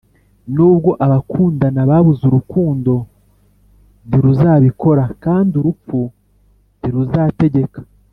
nubwo abakundana babuze urukundo ntiruzabikora; kandi urupfu ntiruzategeka.